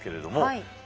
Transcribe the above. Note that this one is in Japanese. はい。